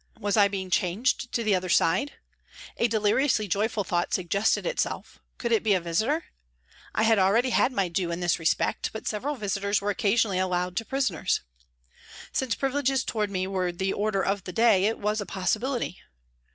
Was I being changed to the other side ? A deliriously joyful thought suggested itself, could it be a visitor ? I had already had my due in this " A TRACK TO THE WATER'S EDGE " 151 respect, but several visitors were occasionally allowed to prisoners. Since privileges towards me were the order of the day it was a possibility.